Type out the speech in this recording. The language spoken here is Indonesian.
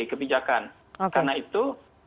kebijakan karena itu